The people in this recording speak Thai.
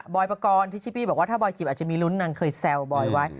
บอยปากรที่ชิปี้บอกถ้าบอยจิ๊บอาจจะมีลุ้นนางเคยแซวบอยไว้